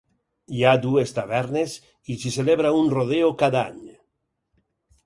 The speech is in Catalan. Hi ha dues tavernes i s'hi celebra un rodeo cada any.